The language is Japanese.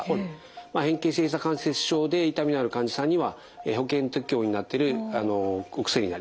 変形性ひざ関節症で痛みのある患者さんには保険適用になってるお薬になります。